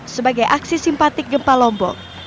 sebagai aksi simpatik gempa lombok